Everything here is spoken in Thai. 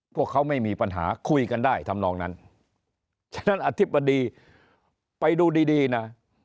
พวกเขาไม่มีปัญหาคุยกันได้ทำนองนั้นฉะนั้นอธิบดีไปดูดีดีนะ